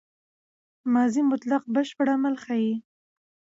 ماضي مطلق بشپړ عمل ښيي.